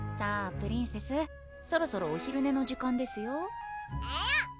プリンセスそろそろお昼寝の時間ですよえるっ！